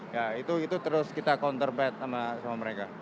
ya itu terus kita counter bad sama mereka